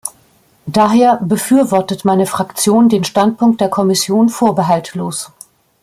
Daher befürwortet meine Fraktion den Standpunkt der Kommission vorbehaltlos.